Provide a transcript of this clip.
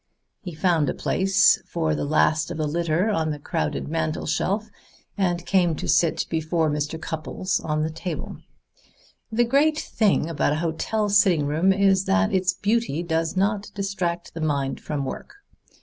He found a place for the last of the litter on the crowded mantel shelf, and came to sit before Mr. Cupples on the table. "The great thing about a hotel sitting room is that its beauty does not distract the mind from work.